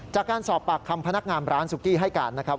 จากการสอบปากคำพนักงานร้านซุกี้ให้การนะครับ